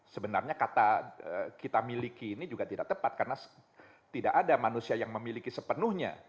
sebenarnya kata kita miliki ini juga tidak tepat karena tidak ada manusia yang memiliki sepenuhnya